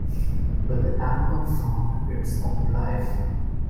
But the album found its own life.